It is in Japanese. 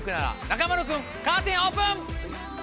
中丸君カーテンオープン！